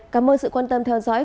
cảm ơn sự quan tâm theo dõi